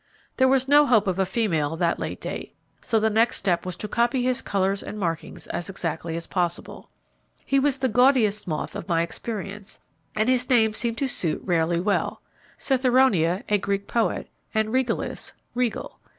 There was no hope of a female that late date, so the next step was to copy his colours and markings as exactly as possible. He was the gaudiest moth of my experience, and his name seemed to suit rarely well. Citheroma a Greek poet, and Regalis regal.